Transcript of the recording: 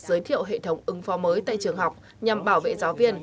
giới thiệu hệ thống ứng phó mới tại trường học nhằm bảo vệ giáo viên